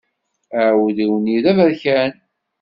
Aɛudiw-nni d aberkan.